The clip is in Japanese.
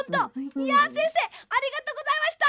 いやせんせいありがとうございました！